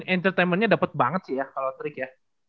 entertainment nya dapat banget sih ya kalo trik ya